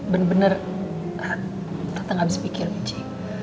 bener bener tante nggak bisa pikir michi